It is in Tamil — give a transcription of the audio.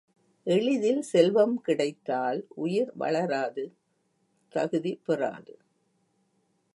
எளிதில் செல்வம் கிடைத்தால் உயிர் வளராது தகுதி பெறாது.